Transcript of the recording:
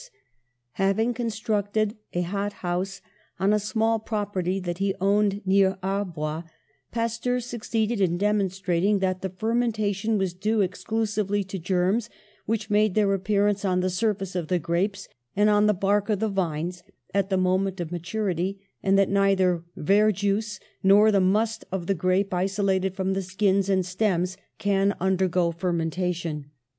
122 PASTEUR Having constructed a hot house on a small property that he owned near Arbois, Pasteur succeeded in demonstrating that the fermenta tion was due exclusively to germs which made their appearance on the surface of the grapes and on the bark of the vines at the moment of maturity, and that neither verjuice nor the must of the grape isolated from the skins and stems can undergo fermentation.